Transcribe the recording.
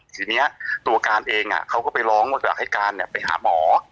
ทีนี้ตัวการเองเขาก็ไปร้องว่าอยากให้การไปหาหมอ